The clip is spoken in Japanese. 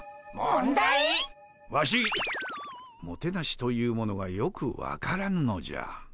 ワシ「もてなし」というものがよく分からぬのじゃ。